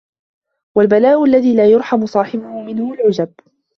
وَالْبَلَاءُ الَّذِي لَا يُرْحَمُ صَاحِبُهُ مِنْهُ الْعُجْبُ